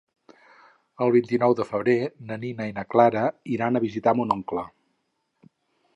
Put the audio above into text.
El vint-i-nou de febrer na Nina i na Clara iran a visitar mon oncle.